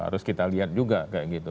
harus kita lihat juga kayak gitu